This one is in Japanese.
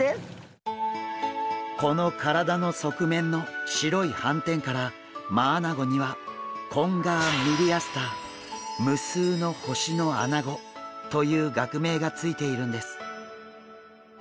この体の側面の白い斑点からマアナゴには「無数の星のアナゴ」という学名が付いているんです。